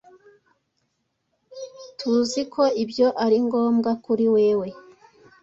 TUZI ko ibyo ari ngombwa kuri wewe.